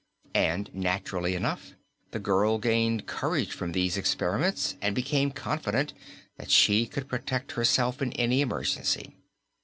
And, naturally enough, the girl gained courage from these experiments and became confident that she could protect herself in any emergency.